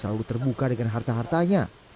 selalu terbuka dengan harta hartanya